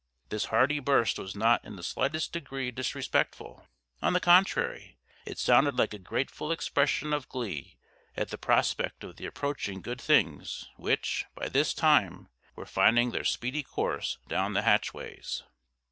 This hearty burst was not in the slightest degree disrespectful; on the contrary, it sounded like a grateful expression of glee at the prospect of the approaching good things which, by this time, were finding their speedy course down the hatchways.